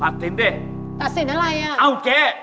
ตัดสินสิตัดสินอะไรอ้าวเจ๊